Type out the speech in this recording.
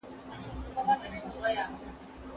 له اسراف څخه د ځان ژغورل څه ارزښت لري؟